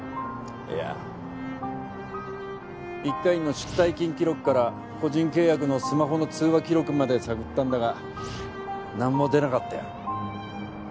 いや一課員の出退勤記録から個人契約のスマホの通話記録まで探ったんだが何も出なかったよ